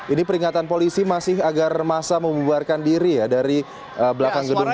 ini peringatan polisi masih agar masa membuarkan diri ya dari belakang gedung dpr